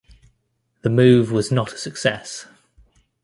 The move was not a success.